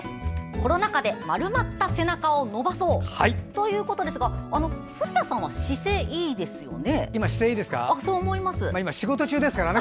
コロナ禍で丸まった背中を伸ばそうということですが古谷さんは姿勢いいですよね？